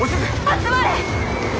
集まれ！